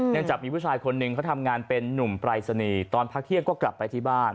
จากมีผู้ชายคนหนึ่งเขาทำงานเป็นนุ่มปรายศนีย์ตอนพักเที่ยงก็กลับไปที่บ้าน